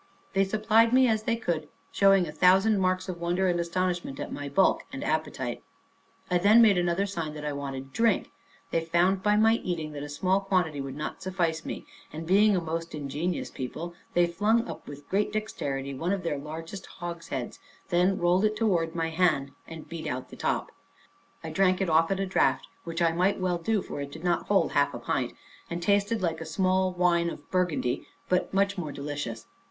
They supplied me as they could, showing a thousand marks of wonder and astonishment at my bulk and appetite, I then made another sign that I wanted drink. They found by my eating, that a small quantity would not suffice me, and being a most ingenious people, they flung up with great dexterity one of their largest hogsheads, then rolled it towards my hand, and beat out the top; I drank it off at a draught, which I might well do for it did not hold half a pint, and tasted like a small wine of Burgundy, but much more delicious.